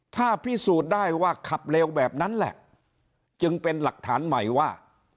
ถ้าพิสูจน์ได้ว่าขับเร็วแบบนั้นแหละจึงเป็นหลักฐานใหม่ว่า